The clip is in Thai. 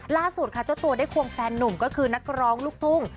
ล่าสุดค่ะเจ้าตัวได้ควงแฟนนุ่มก็คือนักร้องลูกทุ่ง